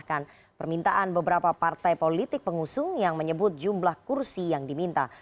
menteri menteri yang sekarang ada yang bertahan juga gak pak